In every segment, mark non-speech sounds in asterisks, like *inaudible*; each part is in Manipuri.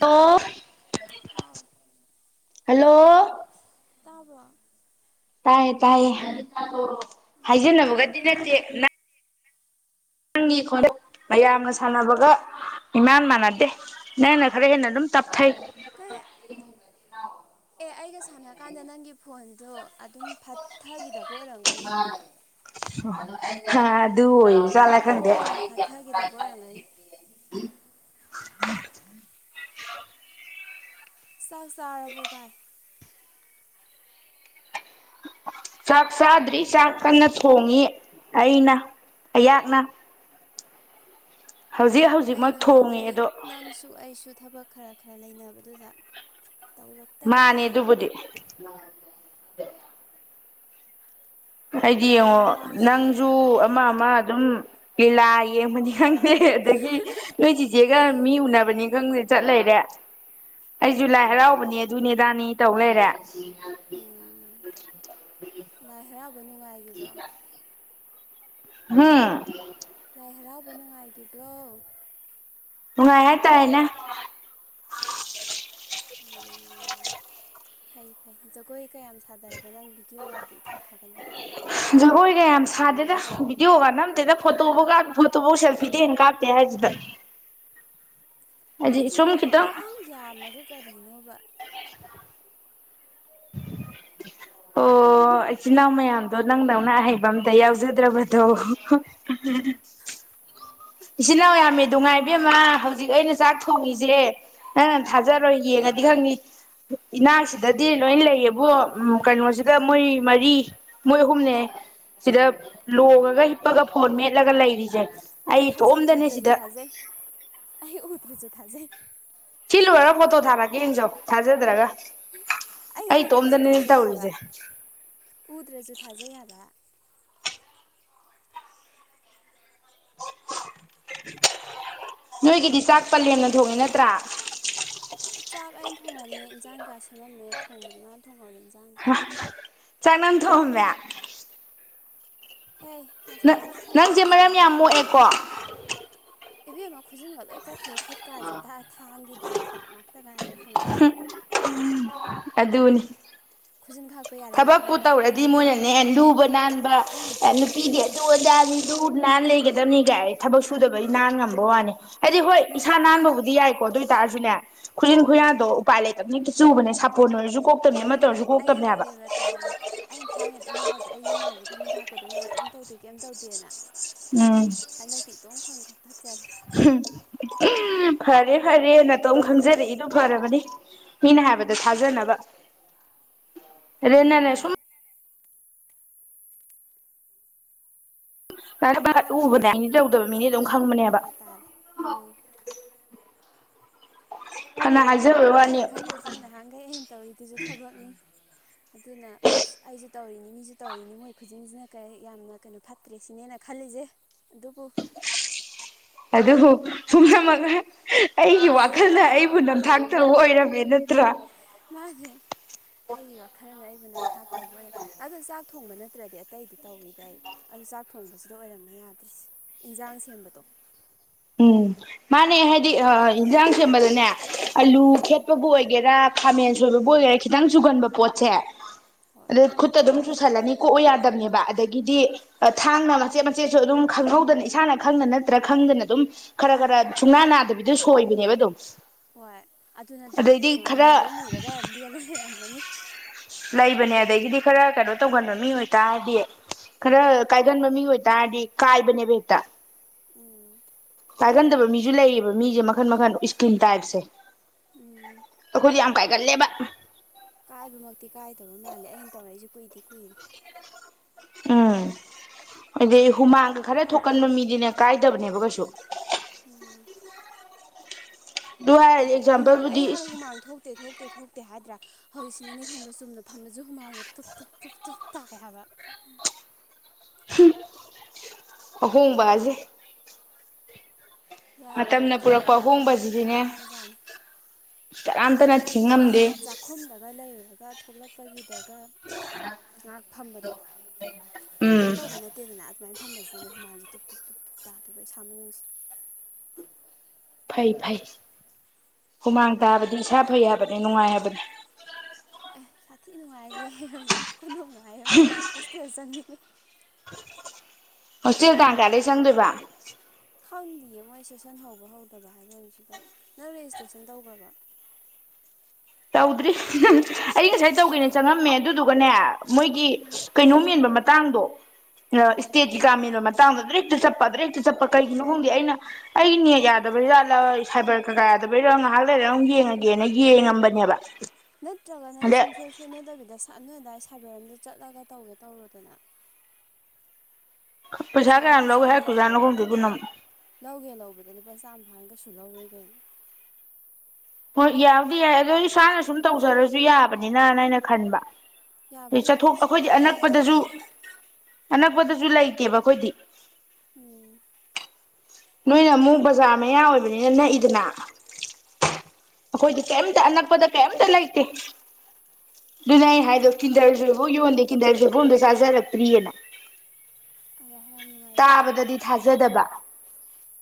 ꯂꯣ ꯍꯥꯎ ꯍꯂꯣ ꯇꯕ ꯇꯥꯏꯌꯦ ꯇꯥꯏꯌꯦ ꯑꯣ ꯍꯥꯏꯖꯅꯕꯒꯗꯤ ꯑꯩ ꯅꯠꯇꯦ ꯅꯪꯒꯤ ꯈ ꯃꯌꯥꯝꯅ ꯁꯥꯟꯅꯕꯒ ꯏꯃꯥꯟ ꯃꯥꯟꯅꯗꯦ ꯅꯪꯅ ꯈꯔ ꯍꯦꯟꯅ ꯑꯗꯨꯝ ꯇꯞꯊꯩ ꯀꯩ *unintelligible* ꯑꯦ ꯑꯩꯒ ꯁꯥꯟꯅ ꯀꯥꯟꯗ ꯅꯪꯒꯤ ꯐꯣꯟꯗꯣ ꯑꯗꯨꯝ ꯐꯊꯒꯤꯗꯕ ꯑꯣꯏꯔꯝꯒꯅꯤ ꯍꯥ ꯑꯗꯨ ꯑꯗꯨ ꯑꯣꯏ ꯅꯪ ꯐꯣꯟꯅ ꯐꯥꯊꯈꯤꯗꯕ ꯑꯣꯏꯔꯝꯒꯅꯤ *unintelligible* ꯆꯥꯛ ꯆꯥꯔꯕꯣ ꯚꯥꯏ *unintelligible* ꯆꯥꯛ ꯆꯥꯗ꯭ꯔꯤ ꯆꯥꯛ ꯀꯟꯅ ꯊꯣꯡꯉꯤ ꯑꯩꯅ ꯑꯩꯍꯥꯛꯅ ꯍꯧꯖꯤꯛ ꯎꯝ ꯑꯩ ꯍꯧꯖꯤꯛꯃꯛ ꯊꯣꯡꯉꯦ ꯅꯍꯥꯟꯈꯩ ꯑꯗꯣ ꯅꯪꯁꯨ ꯑꯩꯁꯨ ꯊꯕꯛ ꯈꯔ ꯈꯔ ꯂꯩꯅꯕꯗꯨꯗ ꯃꯥꯅꯦ ꯇꯧꯔꯛꯇꯕꯅꯤꯗ ꯑꯗꯨꯕꯨꯗꯤ ꯑꯩꯗꯤ ꯑꯗꯒꯤ ꯌꯦꯡꯉꯣ ꯉꯔꯥꯡꯁꯨ ꯅꯪꯁꯨ ꯑꯃ ꯑꯃ ꯑꯗꯨꯝ ꯂꯤꯂꯥ ꯌꯦꯡꯕꯅꯤ ꯈꯪꯗꯦ ꯑꯗꯒꯤ ꯅꯣꯏ ꯆꯤꯆꯦꯒ ꯃꯤ ꯎꯅꯕ ꯅꯤ ꯈꯪꯗꯦ ꯆꯠ ꯂꯩꯔꯦ ꯑꯩꯁꯨ ꯂꯥꯏ ꯍꯔꯥꯎꯕꯅꯦ ꯑꯗꯨꯅꯦꯗꯥꯅꯤ ꯇꯧ ꯂꯩꯔꯦ ꯎꯝ ꯂꯥꯏ ꯍꯔꯥꯎꯕ ꯅꯨꯡꯉꯥꯏꯈꯤꯕ꯭ꯔꯣ ꯍꯥꯥ ꯂ ꯍꯔꯥꯎꯕ ꯅꯨꯡꯉꯥꯏꯈꯤꯕ꯭ꯔꯣ ꯃꯨꯉꯥꯏꯌꯥ ꯇ ꯍꯥꯏꯅ ꯑꯣ ꯐꯩ ꯐꯩ ꯖꯒꯣꯏ ꯀꯌꯥꯝ ꯁꯥꯗꯔꯛꯒꯦ ꯑꯗꯨꯒ ꯅꯪ ꯚꯤꯗꯤꯑꯣꯒꯗꯤ ꯏꯊꯥ ꯊꯥꯒꯠꯂꯛꯇꯦ ꯀ ꯌꯥꯝ ꯁꯥꯗꯦꯗ ꯚꯗꯤꯑꯣ ꯀꯥꯟꯅꯝꯗꯦꯗ ꯐꯣꯇꯣꯐꯥꯎ ꯀꯥꯞ ꯐꯣꯇꯣꯐꯥꯎ ꯁꯦꯜꯐꯤꯗꯤ ꯍꯦꯟꯅ ꯀꯥꯞꯇꯦ ꯍꯥꯏꯁꯤꯗ ꯍꯥꯏꯗꯤ ꯅꯆꯤꯟ ꯁꯨꯝ ꯏꯅꯥꯎꯗ ꯈꯤꯇꯪ ꯌꯥꯝ ꯌꯥꯝꯃꯒ ꯀꯔꯤꯅꯣꯕ *unintelligible* ꯑꯣ ꯑꯣ ꯏꯆꯤꯤꯟ ꯏꯅꯥꯎ ꯃꯌꯥꯝꯗꯣ ꯅꯪ ꯅꯧꯅ ꯑꯍꯩꯕ ꯑꯝꯗ ꯌꯥꯎꯖꯗ꯭ꯔꯕꯗꯣ *unintelligible* ꯏꯆꯤꯟꯜꯅꯥꯎ ꯌꯥꯝꯃꯤ ꯅꯨꯡꯉꯥꯏꯕꯃ ꯍꯧꯖꯤꯛ ꯑꯩꯅ ꯆꯥꯛ ꯊꯣꯡꯉꯁꯦ ꯅꯪ ꯅꯪ ꯎꯝ ꯊꯥꯖꯔꯣꯏ ꯌꯦꯡꯉꯗꯤ ꯈꯪꯅꯤ ꯏꯅꯥꯎꯁꯤ ꯗꯗꯤ ꯂꯣꯏ ꯂꯩꯌꯦꯕ ꯀꯩꯅꯣꯁꯤꯗ ꯃꯣꯏ ꯃꯔꯤ ꯃꯣꯏ ꯑꯍꯨꯝꯅꯦ ꯁꯤꯗ ꯂꯣꯡꯉꯒ ꯍꯤꯞꯄꯒ ꯐꯣꯟ ꯃꯦꯠꯂꯒ ꯂꯩꯔꯤꯁꯦ ꯑꯩ ꯊꯥꯖ ꯏꯇꯣꯝꯗꯅꯦ ꯎꯗꯔꯁꯨ ꯁꯤꯗ ꯊꯥꯖꯩ ꯑꯩ ꯎꯇꯔꯁꯨꯨ ꯊꯥꯖꯩ ꯁꯤꯤꯜꯂꯨ ꯈꯔꯒ ꯄꯣꯠꯇꯣ ꯊꯥꯔꯛꯀꯦ ꯏꯟꯖꯣ ꯊꯥꯖꯗ꯭ꯔꯒ ꯑꯩ ꯎꯗ꯭ꯔꯁꯨ ꯏꯇꯣꯝꯗꯅꯦ ꯊꯥꯖꯩ ꯍꯥꯏꯕ ꯇꯧꯔꯤꯁꯦ ꯎꯗ꯭ꯔꯁꯨ ꯊꯥꯖꯩ ꯍꯥꯏꯕ ꯅꯣꯏꯒꯤꯗꯤ ꯆꯥꯛ ꯑꯩꯈꯣꯏ ꯄꯂꯦꯝꯦꯝꯅ ꯊꯣꯡꯉꯦ ꯅꯠꯇ꯭ꯔꯥ ꯆꯥꯛ ꯑꯩꯅ ꯊꯣꯡꯉꯝꯃꯦ ꯏꯟꯖꯥꯡ ꯀꯌꯥ ꯁꯦꯝꯃꯝꯃꯦ ꯊꯣꯡꯕꯗꯤ ꯃꯥꯅ ꯊꯣꯡꯍꯧꯔꯦ ꯏꯟꯁꯥꯡꯗꯤ ꯆꯥꯛꯅꯝ ꯊꯣꯡꯑꯝꯃꯦ ꯍꯦ ꯉꯁꯥꯏ ꯅꯪ ꯑꯌꯨꯛꯁꯨ ꯊꯣꯡꯉꯦ ꯑꯩ ꯅꯪꯁꯦ ꯍꯧꯖꯤꯛꯀꯥꯟ ꯃꯔꯝ ꯑꯗꯨꯝ ꯌꯥꯝ ꯊꯣꯡꯉꯦ ꯃꯣꯛꯑꯦꯀꯣ ꯏꯕꯦꯝꯃ ꯈꯨꯖꯤꯟꯒ ꯂꯣꯏ ꯀꯛꯈ꯭ꯔꯦ ꯈꯨꯠꯀꯥꯁꯦ ꯊꯥꯡꯒꯤ ꯗꯥꯛ ꯗꯥꯛ ꯉꯥꯛꯇ ꯉꯥꯏꯔꯦ ꯁꯉꯥ ꯎ ꯑꯗꯨ ꯑꯗꯨꯅꯤ ꯈꯨꯖꯤꯟ ꯈꯥꯛꯄ ꯌꯥꯔꯝꯗ꯭ꯔꯦꯍꯦ ꯊꯕꯛꯛꯇꯨ ꯚꯥꯏ ꯇꯧꯔꯗꯤ ꯑꯩꯅ ꯌꯨꯝꯗ ꯃꯣꯏꯅꯅꯦ ꯂꯨꯕ ꯅꯥꯟꯕ ꯄꯤꯗꯦ ꯑꯗꯨ ꯑꯣꯖꯥꯅꯤꯗꯨ ꯅꯍꯥꯟ ꯂꯩꯒꯗꯕꯅꯤꯒꯥꯏ ꯊꯕꯛ ꯁꯨꯗꯕꯩ ꯅꯍꯥꯟ ꯉꯝꯕ ꯋꯥꯅꯤ ꯍꯥꯏꯗꯤ ꯍꯣꯏ ꯏꯁꯥ ꯅꯠꯇꯦ ꯅꯥꯟꯕꯕꯨꯗꯤ ꯌꯥꯏꯀꯣ ꯑꯗꯨ ꯑꯣꯏꯇꯥꯔꯁꯨꯅꯦ ꯈꯨꯖꯤꯟ ꯎꯝ ꯈꯨꯌꯥꯟꯗꯣ ꯎꯄꯥꯏ ꯂꯩꯇꯕꯅꯤ ꯆꯨꯕꯅꯦ ꯁꯥꯄꯣꯟ ꯑꯣꯏꯔꯁꯨ ꯀꯣꯛꯇꯕꯅꯦ ꯑꯃꯠꯇ ꯍꯣꯏꯕ ꯑꯣꯏꯔꯁꯨ ꯑꯩ ꯀꯣꯛꯇꯕꯅꯦꯕ ꯍꯥꯏꯒꯦꯕ ꯇꯥꯎꯕ ꯑꯩꯅ ꯊꯥꯏꯅ ꯑꯗꯨꯝ ꯍꯥꯏꯗ꯭ꯔꯦ ꯑꯩ ꯌꯨꯝꯗꯔꯁꯨ ꯈꯨꯠꯖꯤꯟ ꯈꯥꯛꯄ ꯑꯗꯨꯝ ꯌꯥꯏ ꯀꯩꯝ ꯇꯧꯗꯦ ꯀꯩꯝ ꯇꯧꯗꯦꯅ ꯎꯝ ꯍꯥꯟꯅꯇꯠꯇ ꯈ ꯀ ꯎꯝ ꯐꯔꯦ ꯐꯔꯦ ꯅꯇꯣꯝ ꯈꯪꯖꯔꯛꯏꯗꯨ ꯐꯔꯕꯅꯤ ꯃꯤꯅ ꯍꯥꯏꯕꯗ ꯊꯥꯖꯅꯕ *unintelligible* ꯔꯦ ꯅꯅꯦ ꯎꯝ ꯁ ꯅ ꯚ ꯎꯕꯅꯦ ꯃꯤꯅꯤ ꯇꯥꯈꯤꯗ꯭ꯔꯦꯅꯦꯍꯦ ꯂꯧꯗꯕ ꯃꯤꯅꯤ ꯑꯗꯨꯝ ꯈꯪꯕꯅꯦꯕ ꯇꯥꯔꯦ ꯇꯥꯔꯦ ꯎꯝ ꯀ ꯑ ꯈꯥꯏ ꯂꯩꯁꯤꯅ ꯅꯍꯥꯟꯈꯩ ꯑꯩꯅ ꯇꯧꯔꯤꯗꯨꯁꯨ ꯊꯕꯛꯅꯤ ꯑꯗꯨꯅ ꯑꯩꯁꯨ ꯇꯧꯔꯤꯅꯤ ꯃꯤꯁꯨ ꯇꯧꯔꯤꯅꯤ ꯃꯣꯏ ꯈꯨꯖꯤꯟꯁꯤꯅ ꯀꯩ ꯌꯥꯝꯅ ꯀꯩꯅꯣ ꯐꯠꯇ꯭ꯔꯦ ꯁꯤꯅꯦꯅ ꯈꯜꯂꯤꯁꯦ ꯑꯗꯨꯕꯨ ꯎ ꯑꯗꯨꯕꯨ ꯄꯨꯝꯅꯃꯒ ꯑꯩꯒꯤ ꯋꯥꯈꯜꯗ ꯑꯩꯕꯨ ꯅꯝꯊꯥꯛꯇꯕ ꯑꯣꯏꯔꯝꯃꯦꯅ ꯀꯨꯗ꯭ꯔꯥ ꯃꯥꯅꯦ ꯑꯩꯒꯤ ꯋꯥꯈꯜꯅ ꯑꯩꯕꯨ ꯅꯝꯊꯥꯛ ꯇꯧꯕ ꯑꯣꯏꯔꯝ ꯑꯗꯣ ꯆꯥꯛ ꯆꯥꯛ ꯊꯣꯡꯕ ꯅꯠꯇ꯭ꯔꯗꯤ ꯑꯇꯩꯗꯤ ꯇꯧꯋꯤꯗꯩ ꯑꯗꯨ ꯆꯥꯛ ꯊꯣꯡꯕꯁꯤꯗ ꯑꯣꯏꯔꯝꯃꯦ ꯌꯥꯗꯔꯤꯁꯦ ꯏꯟꯖꯥꯡ ꯁꯦꯝꯕꯗꯣ *unintelligible* ꯎꯝ ꯃꯥꯅꯦ ꯍꯥꯏꯗꯤ ꯌꯦꯟꯖꯥꯡ ꯁꯦꯝꯕꯗꯅꯦ ꯑꯥꯂꯨ ꯎꯝ ꯈꯦꯠꯄꯕꯨ ꯑꯣꯏꯒꯦꯔꯥ ꯈꯥꯃꯦꯟ ꯁꯣꯏꯕꯕꯨ ꯑꯣꯏꯒꯦꯔꯥ ꯈꯤꯇꯪ ꯆꯨꯒꯟꯕ ꯄꯣꯠꯁꯦ ꯍꯣꯏ ꯔꯦ ꯈꯨꯠꯇ ꯑꯗꯨꯝ ꯆꯨꯁꯜꯂꯅꯤ ꯀꯣꯛꯎ ꯌꯥꯗꯕꯅꯦꯕ ꯑꯗꯒꯤꯗꯤ ꯊꯥꯡꯅ ꯃꯆꯦꯠ ꯃꯆꯦꯠꯁꯨ ꯑꯗꯨꯝ ꯈꯪꯍꯧꯗꯅ ꯏꯁꯥꯅ ꯈꯪꯗꯅ ꯅꯠꯇ꯭ꯔꯥ ꯈꯪꯗꯅ ꯑꯗꯨꯝ ꯈꯔ ꯈꯔ ꯁꯨꯡꯅꯥ ꯅꯥꯗꯕꯤꯗꯣ ꯁꯣꯏꯕꯅꯦꯕ ꯑꯗꯨꯝ ꯍꯣꯏ ꯑꯗꯨꯅ ꯗꯥꯛ ꯑꯗꯩꯗꯤ ꯈꯔ ꯃꯨꯔ ꯃꯨꯔꯒ ꯂꯦꯜꯂ ꯂꯩꯔꯝꯃꯅꯤ ꯂꯩꯕꯅꯦ ꯑꯗꯒꯤꯗꯤ ꯈꯔ ꯀꯩꯅꯣ ꯇꯧꯒꯟꯕ ꯃꯤ ꯑꯣꯏꯇꯥꯔꯗꯤ ꯈꯔ ꯀꯥꯏꯒꯟꯕ ꯃꯤ ꯑꯣꯏꯇꯥꯔꯗꯤ ꯀꯥꯏꯕꯅꯦꯕ ꯍꯦꯛꯇ ꯎꯝ ꯀꯥꯏꯒꯟꯗꯕ ꯃꯤꯁꯨ ꯂꯩꯌꯦꯕ ꯃꯤꯁꯦ ꯃꯈꯟ ꯃꯈꯟ ꯏꯁꯀꯤꯟ ꯇꯥꯏꯞꯁꯦ ꯎꯝ ꯑꯩꯈꯣꯏꯗꯤ ꯌꯥꯝ ꯀꯥꯏꯒꯜꯂꯦꯕ ꯀꯥꯏꯕꯃꯛꯇꯤ ꯀꯥꯏꯗꯕ ꯃꯥꯜꯂꯦ ꯑꯩꯅ ꯇꯧꯔꯛꯏꯁꯤꯦ ꯀꯨꯏꯗꯤ ꯀꯨꯏꯔꯦ ꯎꯝ ꯍꯥꯏꯗꯤ ꯍꯨꯃꯥꯡꯒ ꯈꯔ ꯊꯣꯛꯀꯟꯕ ꯃꯤꯗꯤꯅꯦ ꯀꯥꯏꯗꯕꯅꯦꯕ ꯀꯩꯁꯨ ꯎꯝ ꯑꯗꯨ ꯑꯦ ꯍꯥꯏꯔꯗꯤ ꯍꯨꯃꯥꯡ ꯑꯦꯛꯖꯥꯝꯄꯜꯕꯨꯗꯤ ꯑꯩ ꯍꯥꯟꯅ ꯏꯁ ꯍꯨꯃꯥꯡ ꯊꯣꯛꯇꯦ ꯊꯣꯛꯇꯦ ꯊꯣꯛꯇꯦ ꯍꯥꯏꯗ꯭ꯔꯥ ꯍꯧꯖꯤꯛꯁꯤꯅꯅꯦ ꯈꯪꯕ꯭ꯔꯥ ꯆꯨꯝꯅ ꯐꯝꯝꯕꯁꯨ ꯍꯨꯃꯜꯗ ꯇꯨꯞ ꯇꯨꯞ ꯇꯨꯞꯞ ꯇꯨꯞ ꯇꯥꯏꯌꯦꯕ ꯎ ꯍꯣꯡ ꯖꯦ ꯌꯥꯗꯦꯕꯨ ꯊꯕꯛ ꯄꯨꯔꯛꯄ ꯈꯔ ꯇꯧꯔꯗꯤ ꯑꯍꯣꯡꯕꯁꯤꯗꯤꯅꯦ ꯑꯗꯨꯣ ꯋꯥ ꯖꯥꯅꯤ ꯀꯅꯥꯝꯇꯅ ꯍꯥꯏꯗꯤ ꯊꯤꯡꯉꯝꯗꯦ ꯆꯥꯛꯈꯨꯝꯗꯒ ꯂꯩꯔꯨꯔꯒ ꯊꯣꯛꯂꯛꯄꯒꯤꯗ ꯉꯥꯏꯍꯥꯛ ꯐꯝꯕꯗꯣ ꯀꯩꯝ ꯎꯝ ꯇꯧꯕ ꯅꯠꯇꯦꯗꯅ ꯁꯨꯃꯥꯏꯅ ꯐꯝꯕꯁꯤꯗꯗꯤ ꯍꯨꯃꯟꯁꯦ ꯇꯨꯞ ꯇꯨꯞ ꯇꯨꯞ ꯇꯞ ꯇꯥꯗꯕ ꯏꯁꯥ ꯃꯅꯨꯡꯁꯦ ꯐꯩ ꯐꯩ ꯍꯨꯃꯥꯡ ꯇꯥꯕꯗꯤ ꯏꯁꯥ ꯐꯩ ꯍꯥꯏꯕꯅꯤ ꯅꯨꯡꯉꯥꯏ ꯍꯥꯏꯕꯅꯦ ꯐꯥꯊꯤ ꯅꯨꯡꯉꯥꯏꯔꯤꯦ ꯍꯧꯖꯤꯛ ꯈꯨꯗꯣꯡꯉꯥꯏꯔꯕꯅꯤ ꯍꯣꯁꯇꯦꯜ ꯆꯪꯅꯤꯡꯉꯦ ꯍꯣꯁ ꯇ ꯀꯗ ꯆꯪꯗꯣꯏꯕ ꯈꯪꯗꯌꯦ ꯃꯣꯏ ꯁꯦꯁꯟ ꯍꯧꯕ ꯍꯧꯗꯕ ꯍꯥꯏꯕ ꯑꯃꯁꯨ ꯂꯩ ꯅꯪ ꯔꯦꯖꯤꯁꯇ꯭ꯔꯦꯁꯟ ꯇꯧꯈ꯭ꯔꯕ *inaudible* ꯇꯥꯎꯗ꯭ꯔꯤ ꯑꯩ ꯉꯁꯥꯏ ꯇꯧꯒꯦꯅ ꯀꯩꯗꯧ ꯆꯪꯉꯝꯃꯦ ꯑꯗꯨꯗꯨꯒꯅꯦ ꯃꯣꯏꯒꯤ ꯎꯝ ꯀꯩꯅꯣꯝ ꯃꯦꯟꯕ ꯃꯇꯥꯡꯗꯣ ꯀꯔꯤ ꯏꯁꯇꯦꯖꯒꯃꯤꯅꯣ ꯃ ꯆꯥꯡꯗꯗ ꯍꯦꯛꯇ ꯆꯠꯄ ꯑꯗ ꯍꯦꯛꯇ ꯆꯠꯄ ꯀꯩꯒꯤꯅꯣ ꯈꯪꯗꯦ ꯑꯩꯅ ꯑꯩꯒꯤ ꯅꯦꯛ ꯌꯥꯗꯕꯩꯠꯂ ꯁꯥꯏꯕꯔ ꯀꯀꯥ ꯑꯗꯨꯕꯩꯔꯣ ꯉꯥꯏꯍꯥꯛ ꯂꯩꯔ ꯑꯃ ꯌꯦꯡꯉꯒꯦꯅ ꯌꯦꯡꯉꯝꯕꯅꯦꯕ ꯅꯠꯇ꯭ꯔꯒꯅ ꯑꯗꯩ ꯁꯨꯡꯁꯣꯏ ꯁꯣꯏꯅꯗꯕꯤꯗ ꯁꯠꯅ ꯑꯗꯥꯋꯥꯏ ꯁꯥꯏꯕꯔ ꯑꯝꯗ ꯆꯠꯂꯒ ꯇꯧꯒꯦ ꯇꯧꯔꯣꯗꯅ ꯄꯩꯁꯥ ꯄꯩꯁꯥꯁꯨ ꯀꯌꯥꯝ ꯀꯩꯁꯨ ꯂꯧꯒꯦ ꯌꯥꯝ ꯍꯥꯏꯔꯛꯇꯣꯏꯖꯥꯠꯅꯣ ꯂꯧꯔꯣꯏ ꯈꯪꯗꯦ ꯑꯗꯨꯅ ꯑꯃꯨꯛ ꯂꯧꯒꯦ ꯂꯧꯕꯗ ꯂꯨꯄꯥ ꯆꯥꯝꯃ ꯍꯥꯡ ꯀꯩ ꯆꯨꯂꯥꯎ ꯂꯣꯏꯒꯅ ꯍ ꯌꯥꯎꯗꯤ ꯌꯥꯏ ꯑꯗꯣ ꯏꯁꯥꯅ ꯁꯨꯝ ꯇꯧꯖꯔꯁꯨ ꯌꯥꯕꯅꯤꯅꯅ ꯑꯩꯅ ꯈꯟꯕ ꯑꯩ ꯌꯥꯕꯨꯗꯤ ꯌꯥꯏ ꯑꯗꯨ ꯆꯠꯊꯣꯛ ꯑꯩꯈꯣꯏꯗꯤ ꯁꯣꯏꯗꯕꯗꯨꯅ ꯑꯅꯛꯄꯗꯁꯨ ꯐꯩꯗꯅ ꯑꯅꯥꯛꯄꯗꯁꯨ ꯏꯂ ꯏꯇꯦꯕ ꯀꯣꯏꯇ ꯎꯝ ꯅꯣꯏꯅ ꯑꯃꯨꯛ ꯕꯖꯥꯔ ꯃꯌꯥ ꯑꯣꯏꯕꯅꯤꯅ ꯅꯛꯏꯗꯅ ꯑꯩꯈꯣꯏꯗꯤ ꯀꯩꯝꯇ ꯑꯅꯛꯄꯗ ꯀꯩꯝꯇ ꯂꯩꯇꯦ ꯑꯗꯨꯅ ꯑꯩ ꯍꯥꯏꯗꯣ ꯀꯤꯟꯗꯔꯁꯤꯐꯥꯎ ꯌꯣꯟꯗꯦ ꯀꯤꯟꯗꯔꯖꯤꯐꯣ ꯑꯝꯗ ꯆꯥꯖꯔꯛꯇ꯭ꯔꯤꯑꯅ *inaudible* ꯌꯥꯝ ꯅꯨꯡꯉꯥꯏꯇꯤꯌꯦ ꯇꯥꯕꯗꯗꯤ ꯊꯥꯖꯗꯕ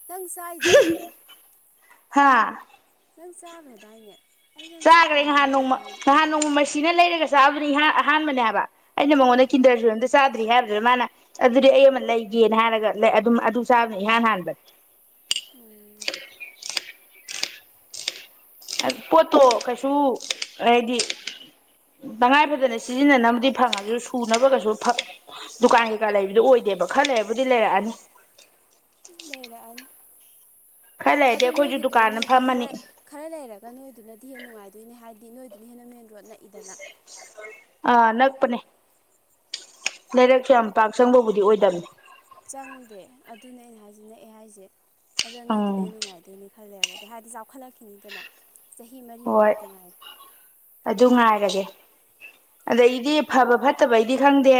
ꯅꯪ ꯆꯥꯏꯗꯨꯗꯤ ꯍꯥꯥ ꯅꯪ ꯆꯥꯈ꯭ꯔꯗꯥꯏꯅꯦ ꯑꯩ ꯅꯪ ꯆꯥꯈ꯭ꯔꯦ ꯆꯥꯈꯤꯒꯨꯝ ꯅꯍꯥꯟ ꯅꯣꯡꯃ ꯂꯥꯛꯈꯤꯒꯨꯝ ꯅꯍꯥꯟ ꯅꯣꯡꯃꯩꯁꯤꯅ ꯂꯩꯔꯒ ꯆꯥꯕꯅꯤꯥꯟ ꯑꯍꯥꯟꯕꯅꯦ ꯍꯥꯏꯕ ꯑꯩꯅ ꯃꯉꯣꯟꯗ ꯑꯥ ꯀꯤꯟꯗꯔꯁꯨ ꯑꯝ ꯆꯗ꯭ꯔꯤ ꯍꯥꯏꯕꯗ꯭ꯔꯥ ꯃꯥꯅ ꯑꯗꯨꯗꯤ ꯑꯩ ꯑꯃ ꯂꯩꯒꯦꯅ ꯍꯥꯏꯔꯒ ꯑꯗꯨꯝ ꯑꯗꯨ ꯆꯥꯕꯅꯦ ꯏꯍꯥꯟ ꯍꯥꯟꯕ ꯎꯝ ꯄꯣꯠꯇꯣ ꯀꯩꯁꯨ ꯔꯦꯗꯤ ꯇꯉꯥꯏ ꯐꯗꯅ ꯁꯤꯖꯤꯟꯅꯅꯕꯗꯤ ꯐꯪꯉꯁꯨ ꯁꯨꯅꯕꯒꯩꯁꯨ ꯗꯨꯀꯥꯟ ꯀꯩꯀꯥ ꯂꯩꯕꯗꯨꯣ ꯑꯣꯏꯗꯦꯕ ꯈꯔ ꯂꯩꯔꯕꯨꯗꯤ ꯂꯩꯔꯛꯑꯅꯤ ꯂꯩꯔꯔꯥꯛꯏ ꯈꯔ ꯂꯩꯔꯗꯤ ꯑꯗꯣ ꯑꯩꯈꯣꯏꯁꯨ ꯗꯨꯀꯥꯟ ꯑꯃ ꯅꯣꯏꯒꯤꯗꯨꯗꯅꯗꯤ ꯐꯝꯃꯅꯤ ꯈꯔ ꯈꯔ ꯂꯩꯔꯒ ꯅꯣꯏꯗꯨꯅꯗꯤ ꯍꯦꯟꯅ ꯅꯨꯡꯉꯥꯏꯗꯣꯏꯅꯦ ꯍꯥꯏꯗꯤ ꯅꯣꯏ ꯑꯗꯨ ꯍꯟꯅꯅꯦꯟ *inaudible* ꯑꯥ ꯅꯛꯄꯅꯦ ꯂꯩꯔꯛꯁ ꯌꯥꯝ ꯄꯥꯛ ꯆꯪꯕꯕꯨꯗꯤ ꯑꯣꯏꯗꯕꯅꯦ ꯆꯪꯗꯦ ꯑꯗꯨꯅꯦ ꯑꯩꯅ ꯍꯥꯏꯁ ꯅꯛꯑꯦ ꯍꯥꯏꯁꯦ ꯑꯗ ꯅꯣꯏꯗꯨꯅ ꯎꯝ ꯍꯦꯟꯅ ꯅꯨꯡꯉꯥꯏꯗꯣꯏꯅꯦ ꯈꯜꯂꯦꯔꯒꯗꯤ ꯑꯗꯩ ꯍꯥꯏꯗꯤ ꯆꯥꯎꯈꯠꯂꯛꯈꯤꯅꯤꯗꯅ ꯆꯍꯤ ꯃꯔꯤ ꯍꯣꯏ ꯃꯉꯥꯇ ꯉꯥꯏꯔꯦ ꯑꯗꯨ ꯉꯥꯏꯔꯒꯦ ꯑꯗꯩꯗꯤ ꯐꯕ ꯐꯠꯇꯕ ꯑꯩꯗꯤ ꯈꯪꯗꯦ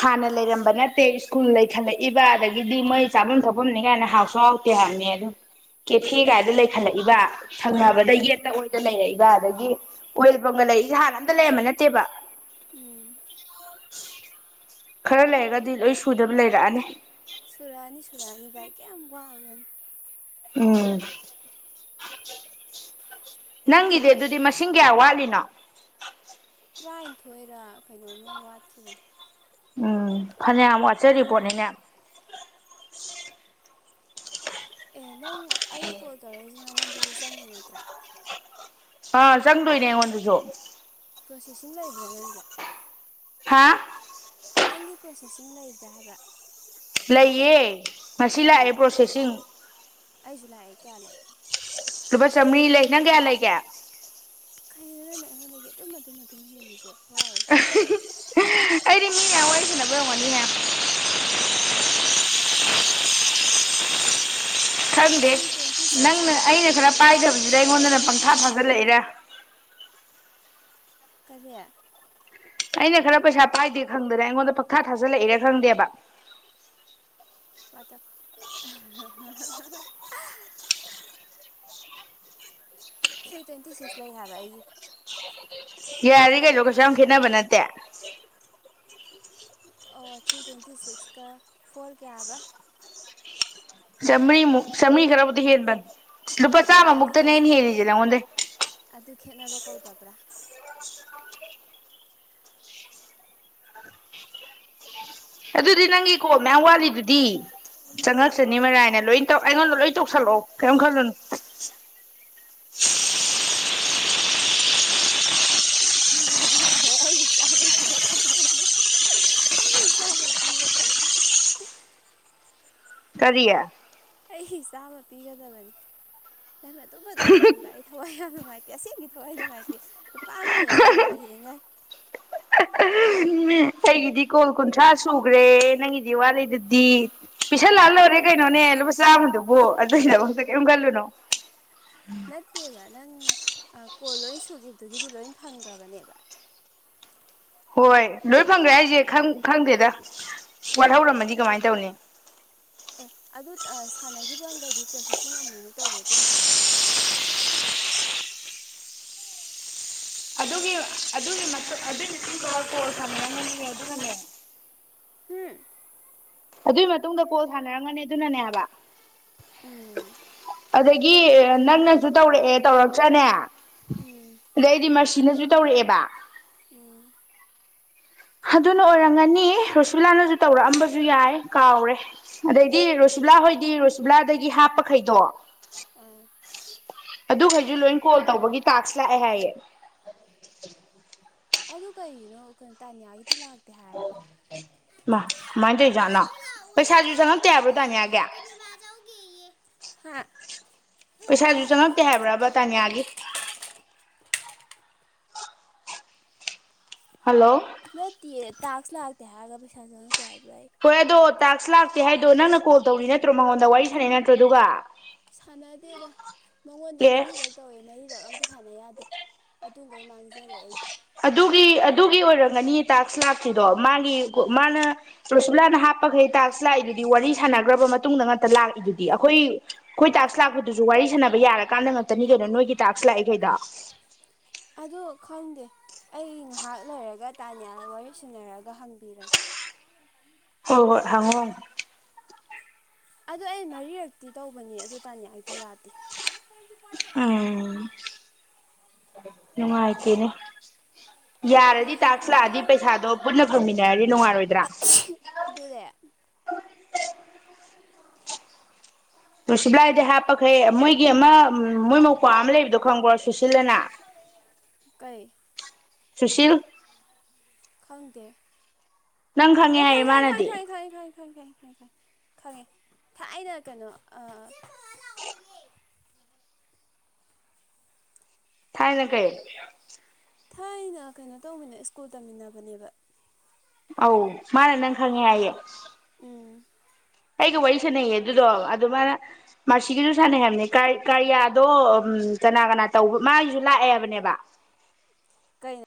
ꯍꯥꯟꯅ ꯂꯩꯔꯝꯕ ꯅꯠꯇꯦ ꯁ꯭ꯀꯨꯜ ꯂꯩꯈꯠꯂꯛꯏꯕ ꯑꯗꯒꯤꯗꯤ ꯃꯩ ꯆꯥꯐꯝ ꯊꯛꯐꯝꯅꯤ ꯀꯥꯏꯅ ꯍꯥꯎꯁꯨ ꯍꯥꯎꯇꯦ ꯍꯥꯏ ꯀꯦꯊꯦ ꯀꯥꯏꯗ ꯂꯩꯈꯠꯂꯛꯏꯕ ꯁꯪꯅꯕꯗ ꯎꯝ ꯂꯩꯔꯛꯏꯒ ꯑꯗꯒꯤ ꯑꯣꯏꯜ ꯂꯩ ꯍꯥꯟꯅ ꯑꯝꯇ ꯂꯩꯔꯝꯕ ꯅꯠꯇꯦꯕ ꯎꯝ ꯈꯔ ꯂꯩꯔꯒꯗꯤ ꯂꯣꯏ ꯁꯨꯗꯕ ꯂꯩꯔꯛꯑꯅꯤ ꯁꯨꯔꯛꯑꯅꯤ ꯁꯨꯔꯛꯑꯅꯤ ꯚꯥꯏ ꯀꯌꯥꯝ ꯋꯥꯠꯂꯤꯕꯅꯣ ꯎꯝ ꯅꯪꯒꯤꯗꯤ ꯑꯗꯨꯗꯤ ꯃꯁꯤꯡ ꯀꯌꯥ ꯋꯥꯠꯂꯤꯅꯣ ꯇꯔꯥꯅꯤꯊꯣꯏꯔ ꯀꯩꯅꯣꯝꯃ ꯋꯥꯠꯈꯤꯕꯅꯦ ꯎꯝ ꯐꯅ ꯑꯃꯨꯛ ꯋꯥꯠꯆꯔꯤ ꯄꯣꯠꯅꯤꯅꯦ ꯑꯦ ꯅꯪ ꯑꯩꯅ ꯀꯣꯜ ꯇꯧꯔꯛꯏꯁꯦ ꯅꯪꯉꯣꯟꯗꯁꯨ ꯆꯪꯉꯤ ꯅꯠꯇ꯭ꯔꯥ ꯑ ꯆꯪꯗꯣꯏꯅꯦ ꯑꯩꯉꯣꯟꯗꯁꯨ ꯄ꯭ꯔꯣꯁꯦꯁꯤꯡ ꯂꯩꯕ꯭ꯔꯥ ꯅꯪꯒꯤ ꯍꯥ ꯅꯪꯒꯤ ꯄ꯭ꯔꯣꯁꯦꯁꯁꯤꯡ ꯂꯩꯕ꯭ꯔꯥ ꯍꯥꯏꯕ ꯂꯩꯌꯦ ꯉꯁꯤ ꯀꯌꯥ ꯂꯥꯛꯑꯦ ꯂꯩ ꯄ꯭ꯔꯣꯁꯦꯁꯤꯡ ꯑꯩꯁꯨ ꯂꯥꯛꯑꯦ ꯀꯌꯥ ꯂꯥꯛꯑꯦ ꯂꯨꯄꯥ ꯆꯥꯝꯔꯤ ꯂꯩ ꯅꯪ ꯀꯌꯥ ꯂꯩꯒꯦ ꯈꯩꯗꯨꯗꯅ ꯑꯩꯉꯣꯟꯗꯒꯤ ꯑꯗꯨꯝ ꯑꯗꯨꯝ ꯑꯗꯨꯝ ꯍꯦꯜꯂꯤꯁꯦ ꯍꯏ ꯑꯩꯗꯤ ꯃꯤ ꯌꯥꯝꯌꯥꯝ ꯋꯥꯔꯤꯏꯁꯤꯅꯕ ꯍꯝꯉꯅꯤꯅꯦ ꯈꯪꯗꯦ ꯊ꯭ꯔꯤ ꯇ꯭ꯋꯦꯟꯇꯤ ꯁꯤꯛꯁ ꯅꯪꯅ ꯂꯩꯕꯅꯦ ꯑꯩꯅ ꯊ꯭ꯔꯤ ꯈꯔ ꯇ꯭ꯋꯦꯟꯇꯤ ꯁꯤꯛꯁ ꯄꯥꯏꯗꯕꯁꯤꯗ ꯑꯩꯉꯣꯟꯗꯅ ꯄꯪꯊ ꯏꯁꯥ ꯐꯖ ꯂꯩꯔꯦ ꯀꯔꯤ ꯑꯩꯅ ꯈꯔ ꯄꯩꯁꯥ ꯄꯥꯏꯗꯦ ꯈꯪꯗꯅ ꯑꯩꯉꯣꯟꯗ ꯄꯛꯊꯥ ꯊꯥꯖꯜꯂꯛꯏꯔ ꯈꯪꯗꯦꯕ ꯇ ꯊ꯭ꯔꯤ ꯇ꯭ꯋꯦꯟꯇꯤ ꯁꯤꯛꯁ ꯂꯩ ꯍꯥꯏꯕ ꯑꯩꯒꯤ ꯌꯥꯔꯦ ꯀꯩꯅꯣ ꯀꯩꯁꯨ ꯌꯥꯝ ꯈꯦꯠꯅꯕ ꯅꯠꯇꯦ ꯑꯣ ꯊ꯭ꯔꯤ ꯇ꯭ꯋꯦꯟꯇꯤ ꯁꯤꯛꯁꯀ ꯐꯣꯔ ꯀꯌꯥꯕ ꯁ ꯁꯦꯝꯦꯅꯤ ꯈꯔꯕꯗꯤ ꯍꯦꯗ ꯂꯨꯄꯥ ꯑꯗꯨꯅꯦ ꯆꯥꯃ ꯃꯨꯛꯇꯅꯦꯟ ꯑꯗꯨꯒꯁꯦ ꯍꯗ ꯅ ꯃꯗꯦ ꯑꯗꯨ ꯈꯦꯠꯅꯕ ꯀꯧꯗꯕ꯭ꯔꯥ ꯑꯗꯨꯗꯤ ꯅꯪꯒꯤ ꯀꯣ ꯃꯌꯥꯝ ꯋꯥꯠꯂꯤꯗꯨꯗꯤ ꯆꯪꯉꯛꯁꯤꯅꯤ ꯃꯔꯥꯏꯅ ꯂꯣꯏ ꯑꯩꯉꯣꯟꯗ ꯂꯣꯏ ꯇꯧꯁꯜꯂꯛꯑꯣ ꯀꯔꯤꯝ ꯈꯜꯂꯨꯅꯣ *unintelligible* ꯌꯥꯔꯣꯏ ꯌꯥꯔꯣꯏ ꯑꯩꯒꯤ ꯏꯁꯥꯃꯛ ꯀꯤꯔꯛꯀꯗꯕꯅꯤ ꯑꯩ ꯏꯁꯥꯃ ꯄꯤꯒꯗꯕꯅꯤ ꯀꯔꯤꯌꯥ ꯑꯩ ꯆꯥꯝꯃ ꯄꯤꯒꯗꯕꯅꯤ ꯅ ꯑꯗꯨ ꯑꯗꯨꯝ ꯍꯦꯟꯕ ꯑꯩ ꯊꯋꯥꯏ ꯌꯥ ꯅꯨꯡꯉꯥꯏꯇꯦ ꯑꯁꯦꯡ ꯊ ꯑꯩ ꯅꯨꯡꯉꯥꯏꯇꯦ ꯑꯗꯨꯄꯥꯝ ꯊꯣꯛ ꯑꯣꯏꯔꯁꯨ ꯅꯣꯡꯃꯨꯇ ꯍꯡꯉꯥꯏ ꯎꯝ ꯑꯩꯒꯤꯗꯤ ꯀꯣꯜ ꯀꯨꯟꯊ꯭ꯔꯥ ꯁꯨꯈ꯭ꯔꯦ ꯅꯪꯒꯤꯗꯤ ꯋꯥꯦꯗꯨꯗꯤ ꯄꯤꯁꯟꯂꯥꯜꯍꯔꯦ ꯑꯦ ꯀꯩꯅꯣꯅꯦ ꯂꯨꯄꯥ ꯆꯥꯝꯃꯗꯨꯕꯨ ꯑꯗꯨꯒꯤꯗꯐꯛꯇ ꯀꯔꯤꯝ ꯀꯜꯂꯨꯅꯣ ꯅꯠꯇꯦꯕ ꯅꯪ ꯀꯣꯜ ꯂꯣꯏ ꯁꯨꯈꯤꯕꯗꯨꯒꯤꯗꯤ ꯂꯣꯏ ꯐꯪꯈ꯭ꯔꯕꯅꯦꯕ ꯍꯣꯏ ꯂꯣꯏ ꯐꯪꯈ꯭ꯔꯦ ꯍꯥꯏꯁꯦ ꯈꯪꯗꯦꯗ ꯋꯥꯠꯍꯧꯔꯝꯃꯗꯤ ꯀꯃꯥꯏꯅ ꯇꯧꯅꯤ ꯃꯥꯏꯧ ꯑꯦ ꯑꯗꯨ ꯁꯥꯟꯅꯈꯤꯕꯒꯩꯗꯤ ꯄ꯭ꯔꯣꯁꯦꯁꯤꯡ ꯑꯃꯨꯛꯃꯨꯛ ꯇꯧꯕꯗ ꯄꯨꯟ ꯄꯨꯟ ꯇꯧꯔꯛꯄꯅꯦ ꯑꯗꯨꯒꯤ ꯑꯗꯨꯒꯤ ꯑꯗꯨꯒꯤ ꯃꯇꯨꯡꯗ ꯀꯣꯜ ꯁꯥꯟꯅꯔꯝꯒꯅꯤ ꯑꯗꯨꯅꯅꯦ ꯎꯝ ꯑꯗꯨꯏ ꯃꯇꯨꯡꯗ ꯀꯣꯜ ꯊꯥꯅꯔꯝꯒꯅꯤ ꯑꯗꯨꯅꯅꯦ ꯍꯥꯏꯕ ꯎꯝ ꯑꯗꯒꯤ ꯅꯪꯅꯁꯨ ꯇꯧꯔꯛꯑꯦ ꯇꯧꯔꯛꯇ꯭ꯔꯅꯦ ꯎꯝ ꯎꯝ ꯑꯗꯩꯗꯤ ꯁꯤꯅꯁꯨ ꯇꯧꯔꯛꯑꯦꯕ ꯎꯝ ꯑꯗꯨꯅ ꯑꯣꯏꯔꯝꯒꯅꯤ ꯔꯣꯁꯤꯂꯥꯅꯁꯨ ꯇꯧꯔꯛꯑꯝꯕꯁꯨ ꯌꯥꯏ ꯀꯥꯎꯔꯦ ꯑꯗꯩꯗꯤ ꯔꯣꯁꯤ ꯂꯥ ꯍꯣꯏꯗꯤ ꯔꯣꯁꯤꯕꯂꯥꯗꯒꯤ ꯍꯥꯞꯄꯈꯩꯗꯣ ꯑ ꯑꯗꯨꯈꯩꯁꯨ ꯂꯣꯏ ꯀꯣꯜ ꯇꯧꯕꯒꯤ ꯇꯥꯛꯁ ꯂꯥꯛꯑꯦ ꯍꯥꯏꯌꯦꯦ ꯑꯗꯨ ꯀꯩꯒꯤꯅꯣ ꯀꯩꯅꯣ ꯇꯥꯅꯤꯌꯥꯒꯤꯗꯤ ꯂꯥꯛꯦ ꯑꯣ ꯃꯥ ꯃꯥꯗ ꯆꯅ ꯃꯃꯥꯅ ꯂꯥꯛꯑꯣꯏ ꯄꯩꯁꯥꯖ ꯏꯟꯖꯥꯡ ꯆꯅ ꯁꯦꯅꯃꯣꯏ ꯇꯕꯗꯥꯅꯤꯒꯦ ꯄꯨꯔꯅꯤꯃꯥ ꯆꯧꯒꯦꯌꯦ ꯍꯥ ꯄꯩꯁꯥꯁꯨ ꯆꯪꯉꯛꯇꯦ ꯍꯥꯏꯕ꯭ꯔꯥꯕ ꯇꯥꯅꯤꯌꯥꯒꯤ ꯍꯜꯂꯣ ꯅꯠꯇꯦ ꯇꯥꯛꯁ ꯂꯥꯛꯇꯦ ꯍꯥꯏꯔꯒ ꯄꯩꯁꯥ ꯆꯪꯉꯛꯇꯦ ꯍꯥꯏꯕ꯭ꯔꯥ ꯑꯩ ꯍꯣꯏ ꯑꯗꯣ ꯇꯥꯛꯁ ꯂꯥꯛꯇꯦ ꯍꯥꯏꯗꯣ ꯅꯪꯅ ꯀꯣꯜ ꯇꯧꯔꯤ ꯅꯠꯇ꯭ꯔꯣ ꯃꯉꯣꯟꯗ ꯋꯥꯔꯤ ꯁꯥꯟꯅꯩ ꯅꯠꯇ꯭ꯔꯣ ꯑꯗꯨꯒ ꯁꯥꯟꯅꯗꯦꯗ ꯃꯉꯣꯟꯗ ꯑꯦ ꯃꯔꯤꯔꯛ ꯇꯧꯋꯦ ꯃꯔꯤꯔꯛ ꯑꯝꯇ ꯁꯥꯟꯅ ꯌꯥꯗꯦ ꯑꯗꯨꯩ ꯃꯥꯡꯖꯦ ꯑꯗꯨꯒꯤ ꯑꯗꯨꯒꯤ ꯑꯣꯏꯔꯝꯒꯅꯤ ꯇꯥꯛꯁ ꯂꯥꯛꯇ꯭ꯗꯣ ꯃꯥꯒꯤ ꯃꯥꯅ ꯄ꯭ꯔꯨꯁꯤꯂꯥꯅ ꯍꯥꯞꯄꯈꯩ ꯇꯥꯛꯁ ꯂꯥꯛꯏꯗꯨ ꯋꯥꯔꯤ ꯁꯥꯟꯅꯈ꯭ꯔꯕ ꯃꯇꯨꯡꯗ ꯉ ꯂꯥꯛꯏꯗꯨꯗꯤ ꯑꯩꯈꯣꯏ ꯑꯩꯈꯣꯏ ꯇꯥꯛ ꯂꯥꯛꯄꯗꯨꯁꯨ ꯋꯥꯔꯤ ꯁꯥꯟꯅꯕ ꯌꯥꯔꯀꯥꯟꯗ ꯉꯥꯛꯇꯅꯤ ꯀꯩꯅꯣ ꯅꯣꯏꯒꯤ ꯇꯥꯛꯁ ꯂꯥꯛꯑꯦꯈꯩꯗ ꯑꯗꯨ ꯈꯪꯗꯦ ꯑꯩ ꯉꯥꯏꯍꯥꯛ ꯂꯩꯔꯒ ꯇꯥꯅꯤ ꯋꯥꯔꯤ ꯁꯅꯔꯒ ꯍꯪꯕꯤꯔꯒꯦ ꯍꯣꯏ ꯍꯣꯏ ꯍꯪꯉ ꯑꯗꯨ ꯑꯩ ꯃꯔꯤꯔꯛꯇꯤ ꯇꯧꯕꯅꯤ ꯑꯗꯨ ꯇꯅꯤ ꯑꯩꯗ ꯌꯥꯗꯦ ꯄꯗꯤ ꯄꯁꯅ ꯅꯣꯡꯅꯦ ꯎꯝ ꯅꯨꯡꯉꯥꯏꯇꯦꯅꯦ ꯃꯥ ꯌꯥꯔꯗꯤ ꯍꯪꯉ ꯇꯥꯛꯁꯂꯛꯑꯗꯤ ꯄꯩꯁꯥꯗꯣ ꯄꯨꯟꯅ ꯄꯨꯨꯝꯃꯤꯟꯅꯔꯗꯤ ꯅꯨꯡꯉꯥꯏꯔꯣꯏꯗ꯭ꯔꯥ ꯑꯗꯨꯅꯦ ꯔꯨꯁꯤꯞꯂꯥꯏꯗ ꯍꯥꯞꯄꯈꯩ ꯃꯣꯏꯒꯤ ꯑꯃ ꯃꯣꯏ ꯃꯧ꯭ꯋꯥ ꯑꯃ ꯂꯩꯕꯗꯣ ꯈꯪꯕ꯭ꯔꯣ ꯁꯨꯁꯤꯜꯂꯅ ꯍ ꯁꯨꯁꯤꯜ ꯈꯪꯗꯦ ꯅꯪ ꯈꯪꯉꯦ ꯑꯣ ꯈꯥꯏ ꯍꯥꯏꯌꯦ ꯈ ꯃꯥꯅꯗꯤ ꯈꯪꯉꯦ ꯊꯥꯏ ꯑꯅ ꯀꯩꯅꯣ ꯊꯥꯏꯅ ꯀꯩ ꯊꯥꯏꯅ ꯀꯩꯅꯣ ꯇꯧꯃꯤꯟꯅ ꯁ꯭ꯀꯨꯜ ꯇꯝꯃꯤꯟꯅꯕꯅꯦꯕ ꯑꯧ ꯃꯥꯅꯦ ꯅꯪ ꯈꯪꯉꯦ ꯍꯥꯏꯏꯌꯦꯦ ꯎꯝ ꯑꯩꯒ ꯋꯥꯔꯤ ꯁꯥꯟꯅꯩꯑꯦ ꯑꯗꯨꯗꯣ ꯑꯗꯨꯃꯅ ꯃꯁꯤꯁꯤꯒꯤꯁꯨ ꯁꯥꯟꯅꯩ ꯍꯥꯏꯕꯅꯦ ꯀꯥꯔꯤꯌꯥꯗꯣ ꯎ ꯀꯅꯥ ꯀꯅꯥ ꯇꯧꯕ ꯃꯥꯒꯤꯁꯨ ꯂꯥꯛꯑꯦꯕꯅꯦꯕ ꯀꯩꯅ